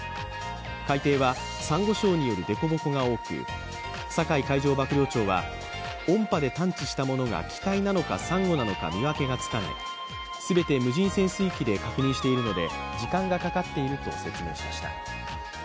海底はさんご礁による凸凹が多く、酒井海上幕僚長は音波で探知したものが機体なのかさんごなのか見分けがつかない、全て無人潜水機で確認しているので時間がかかっていると説明しました。